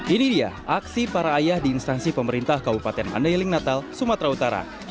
ini dia aksi para ayah di instansi pemerintah kabupaten mandailing natal sumatera utara